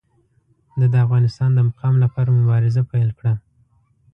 ده د افغانستان د مقام لپاره مبارزه پیل کړه.